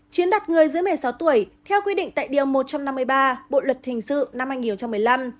chiếm đoạt người dưới một mươi sáu tuổi theo quy định tại điều một trăm năm mươi ba bộ luật hình sự năm hai nghìn một mươi năm